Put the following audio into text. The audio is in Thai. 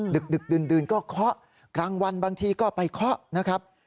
ดึกดื่นก็เคาะกลางวันบางทีก็ไปเคาะนะครับ